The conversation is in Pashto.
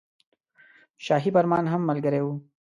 شاهي فرمان هم ملګری وو.